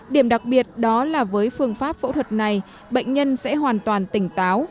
điểm đặc biệt đó là với phương pháp phẫu thuật này bệnh nhân sẽ hoàn toàn tỉnh táo